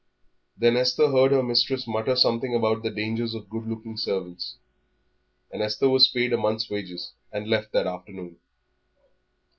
Then Esther heard her mistress mutter something about the danger of good looking servants. And Esther was paid a month's wages, and left that afternoon.